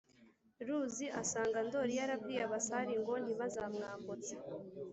ruzi asanga ndori yarabwiye abasare ngo ntibazamwambutse.